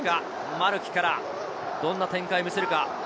マルキからどんな展開を見せるか。